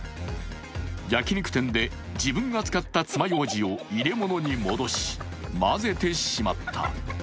焼肉店で自分が使った爪ようじを入れ物に戻し、交ぜてしまった。